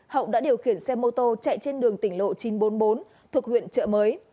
hậu đã điều khiển xe mô tô chạy trên đường tỉnh lộ chín trăm bốn mươi bốn thuộc huyện trợ mới